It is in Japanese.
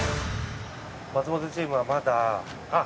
松本チームはまだあっ。